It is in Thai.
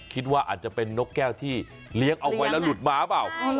คิดว่าอาจจะเป็นนกแก้วที่เลี้ยงเอาไว้แล้วหลุดหมาเปล่า